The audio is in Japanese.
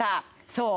そう。